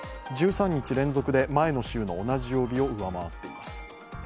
１３日連続で前の週の同じ曜日を上回っています。